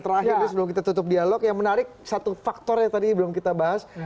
terakhir sebelum kita tutup dialog yang menarik satu faktornya tadi belum kita bahas